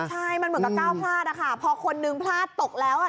ใช่มันเหมือนกับก้าวพลาดอะค่ะพอคนนึงพลาดตกแล้วอ่ะ